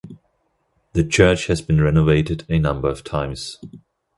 The church has been renovated a number of times.